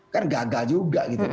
kan gagal juga gitu